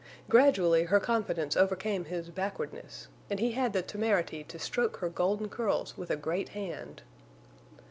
Gradually her confidence overcame his backwardness, and he had the temerity to stroke her golden curls with a great hand.